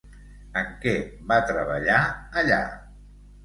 En què va treballar allà?